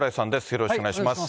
よろしくお願いします。